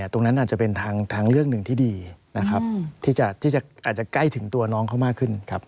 ตรงนั้นอาจจะเป็นทางเลือกหนึ่งที่ดีนะครับที่อาจจะใกล้ถึงตัวน้องเขามากขึ้นครับ